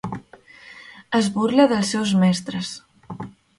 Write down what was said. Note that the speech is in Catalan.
Es burla dels seus mestres.